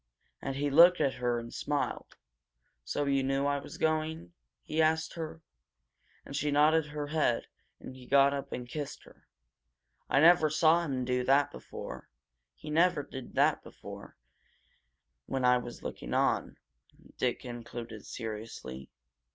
"And he looked at her, and smiled. 'So you knew I was going?' he asked her. And she nodded her head, and he got up and kissed her. I never saw him do that before he never did that before, when I was looking on," Dick concluded seriously.